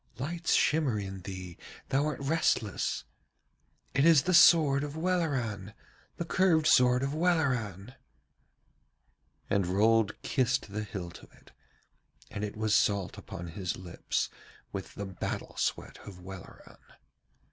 Lights shimmer in thee, thou art restless. It is the sword of Welleran, the curved sword of Welleran!' And Rold kissed the hilt of it, and it was salt upon his lips with the battle sweat of Welleran.